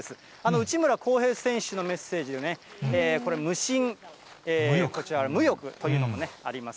内村航平選手のメッセージね、これ、無心、無欲というのもあります。